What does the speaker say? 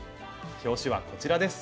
表紙はこちらです。